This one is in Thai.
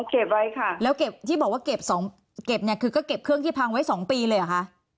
เก็บไว้ค่ะแล้วเก็บที่บอกว่าเก็บสองเก็บเนี่ยคือก็เก็บเครื่องที่พังไว้๒ปีเลยเหรอคะ